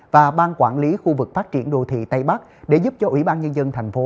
và ban quản lý khu vực phát triển đô thị tây bắc để giúp cho ủy ban nhân dân thành phố